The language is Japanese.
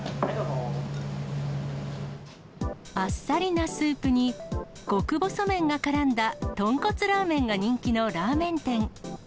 あっさりなスープに、極細麺がからんだ豚骨ラーメンが人気のラーメン店。